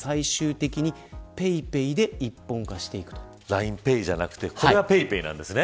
ＬＩＮＥＰａｙじゃなくてこれはＰａｙＰａｙなんですね。